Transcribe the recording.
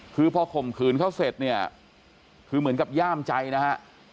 คือพอข่มขืนเขาเสร็จเนี่ยคือเหมือนกับย่ามใจนะฮะ